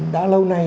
đã lâu nay